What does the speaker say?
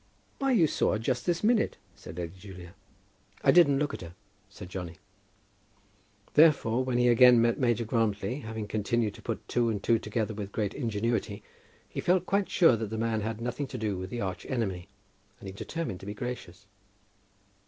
"Why, you saw her just this minute," said Lady Julia. "I didn't look at her," said Johnny. Therefore, when he again met Major Grantly, having continued to put two and two together with great ingenuity, he felt quite sure that the man had nothing to do with the arch enemy, and he determined to be gracious.